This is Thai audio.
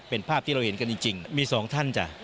เป็นภาพที่เราเห็นกันจริงมีสองท่านจ้ะ